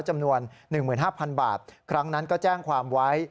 จำนวน๑๕๐๐๐บาทครั้งนั้นก็แจ้งความไว้